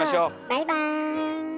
バイバーイ。